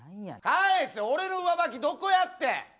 俺の上履きどこやってん？